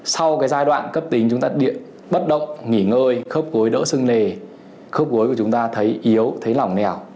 sau cái giai đoạn cấp tính chúng ta bất động nghỉ ngơi khớp gối đỡ sưng nề khớp gối của chúng ta thấy yếu thấy lỏng nẻo